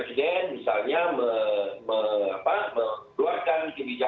jadi kita akan memulisor terus